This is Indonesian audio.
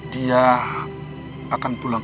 dia akan pulang